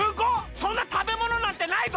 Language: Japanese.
そんなたべものなんてないぞ！